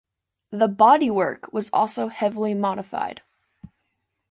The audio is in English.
The "bodywork" was also heavily modified.